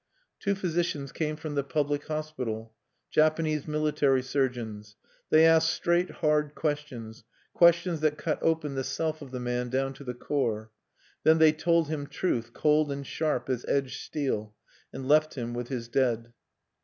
Two physicians came from the public hospital, Japanese military surgeons. They asked straight hard questions, questions that cut open the self of the man down to the core. Then they told him truth cold and sharp as edged steel, and left him with his dead.